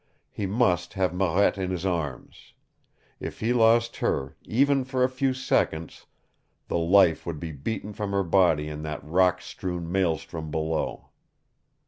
He must have Marette in his arms. If he lost her even for a few seconds the life would be beaten from her body in that rock strewn maelstrom below.